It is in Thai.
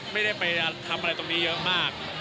ไม่ได้ไปทำอะไรตรงนี้เยอะมาก